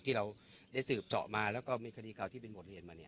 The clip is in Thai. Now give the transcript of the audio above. ที่เราได้สืบเจาะมาแล้วก็มีคดีเก่าที่เป็นหมดเทียนมาเนี้ย